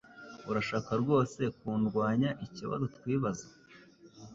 Urashaka rwose kundwanyaikibazo twibaza